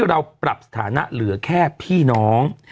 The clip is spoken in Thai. เราปรับสถานะเหลือแค่พี่น้อง